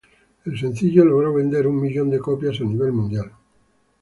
El sencillo logró vender un millón de copias a nivel mundial.